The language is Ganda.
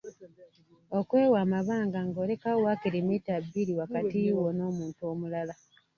Okwewa amabanga ng’olekawo waakiri mmita bbiri wakati wo n’omuntu omulala;